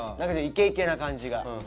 イケイケな感じが。